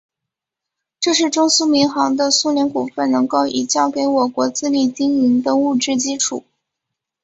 这是中苏民航的苏联股份能够已交给我国自力经营的物质基础。